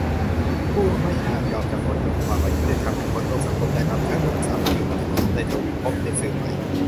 ผู้ไม่อาจยอมจำนนกับความอยุติธรรมที่คนร่วมสังคมได้รับ ทั้งหนุ่มสาวที่อยู่บนถนน ในทวิตภพ ในสื่อใหม่